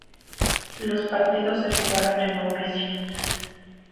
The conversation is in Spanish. Los partidos se jugaron en Mauricio.